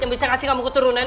yang bisa ngasih kamu keturunan